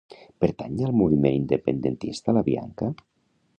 Pertany al moviment independentista la Bianca?